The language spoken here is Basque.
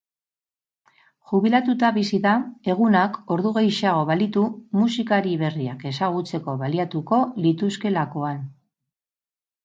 Jubilatuta bizi da egunak ordu gehixeago balitu, musikari berriak ezagutzeko baliatuko lituzkeelakoan.